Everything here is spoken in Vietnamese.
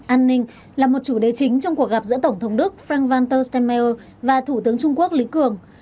an ninh là một chủ đề chính trong cuộc gặp giữa tổng thống đức frank vanter stemmeier và thủ tướng trung quốc lý cường